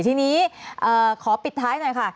ทีนี้ขอปิดท้ายหน่อยค่ะ